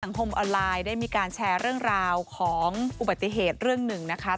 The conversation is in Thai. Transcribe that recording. คมออนไลน์ได้มีการแชร์เรื่องราวของอุบัติเหตุเรื่องหนึ่งนะคะ